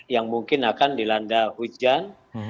yang mungkin akan dilanda hujan